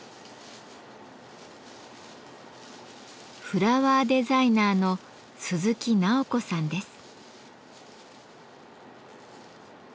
フラワーデザイナーの鈴木奈緒子さんです。